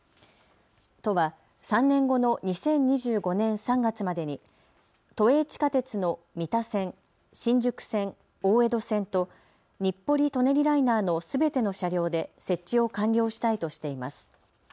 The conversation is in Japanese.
都は３年後の２０２５年３月までに都営地下鉄の三田線、新宿線、大江戸線と日暮里・舎人ライナーのすべての車両で設置を完了したいとしています。